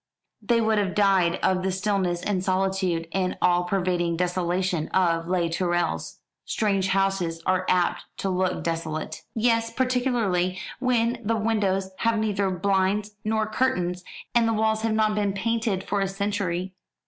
"They would have died of the stillness and solitude and all pervading desolation of Les Tourelles." "Strange houses are apt to look desolate." "Yes. Particularly when the windows have neither blinds nor curtains, and the walls have not been painted for a century."